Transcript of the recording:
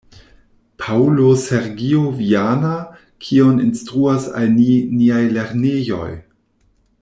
Paŭlo Sergio Viana, "Kion instruas al ni niaj lernejoj?